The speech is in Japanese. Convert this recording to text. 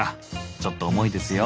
ちょっと重いですよ。